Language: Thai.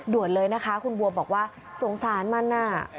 ด่วนเลยนะคะคุณบัวบอกว่าสงสารมันน่ะ